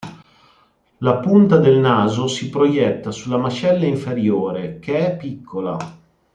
La punta del naso si proietta sulla mascella inferiore, che è piccola.